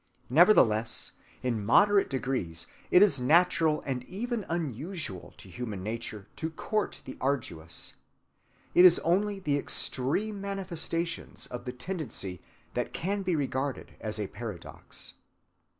Nevertheless, in moderate degrees it is natural and even usual to human nature to court the arduous. It is only the extreme manifestations of the tendency that can be regarded as a paradox.